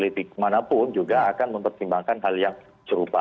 politik manapun juga akan mempertimbangkan hal yang serupa